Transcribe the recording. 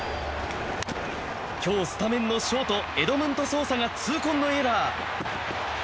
今日スタメンのショートエドムンド・ソーサが痛恨のエラー。